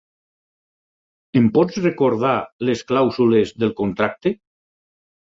Em pots recordar les clàusules del contracte?